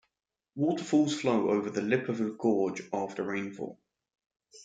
Waterfalls flow over the lip of the gorge after rainfall.